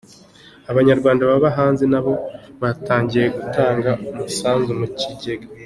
Abanyarwanda baba hanze nabo batangiye gutanga umusanzu mu kigega